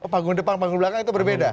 panggung depan panggung belakang itu berbeda